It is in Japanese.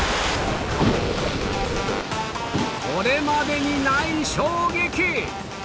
これまでにない衝撃！